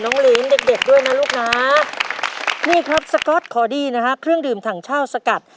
น้องลิ้นเด็กเด็กด้วยนะลูกค้านี่ครับนะฮะเครื่องดื่มถังเช่าสกัด